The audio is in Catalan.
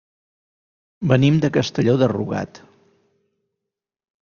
Venim de Castelló de Rugat.